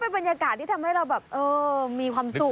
เป็นธการที่ให้เรามีความสุขนะ